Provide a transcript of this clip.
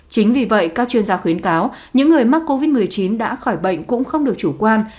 chính vì vậy các chuyên gia khuyến cáo những người mắc covid một mươi chín đã khỏi bệnh cũng không được chủ quan